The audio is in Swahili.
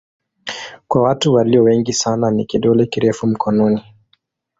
Kwa watu walio wengi sana ni kidole kirefu mkononi.